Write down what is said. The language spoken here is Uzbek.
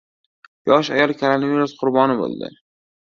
Yosh ayol koronavirus qurboni bo‘ldi